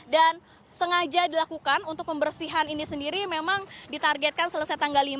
dan sengaja dilakukan untuk pembersihan ini sendiri memang ditargetkan selesai tanggal lima